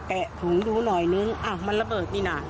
แกะถุงดูหน่อยนึงอ้าวมันระเบิดนี่น่ะ